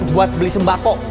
buat beli sembako